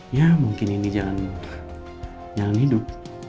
ya mungkin ini jangan hidup